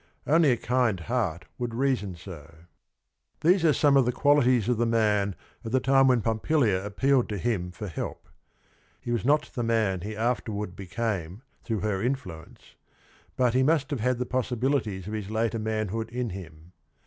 Only a kind heart would reason so. These are some of the qualities of the man at the time when Pompilia appealed to him for help. He was not the man he afterward became through her influence, but he must have had the possibilities of his later manhood in him.